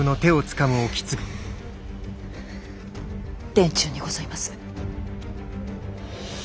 殿中にございます！